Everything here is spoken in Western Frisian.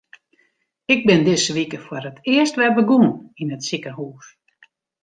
Ik bin dizze wike foar it earst wer begûn yn it sikehús.